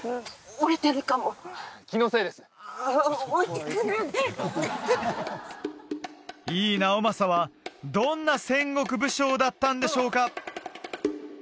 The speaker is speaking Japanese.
置いていかないで井伊直政はどんな戦国武将だったんでしょうか？